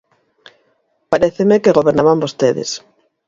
Paréceme que gobernaban vostedes.